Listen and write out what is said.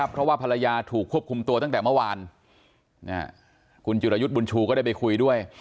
เพราะว่าภรรยาถูกควบคุมตัวตั้งแต่เมื่อวานคุณจิรยุทธ์บุญชูก็ได้ไปคุยด้วย